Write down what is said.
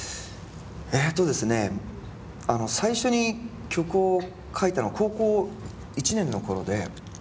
えとですね最初に曲を書いたの高校１年の頃で。